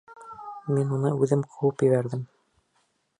Мин уны үҙем ҡыуып ебәрҙем!